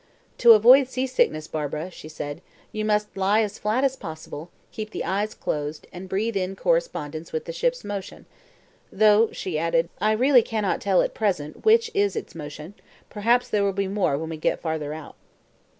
"To avoid seasickness, Barbara," she said, "you must lie as flat as possible, keep the eyes closed, and breathe in correspondence with the ship's motion though," she added, "I really cannot tell at present which is its motion; perhaps there will be more when we get farther out."